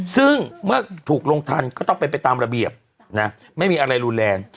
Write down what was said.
ซึ่งเมื่อถูกลงทันก็ต้องเป็นไปตามระเบียบนะไม่มีอะไรรุนแรง